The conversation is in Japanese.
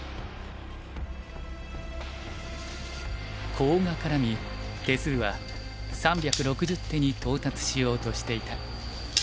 コウが絡み手数は３６０手に到達しようとしていた。